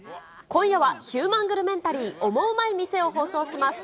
今夜は、ヒューマングルメンタリーオモウマい店を放送します。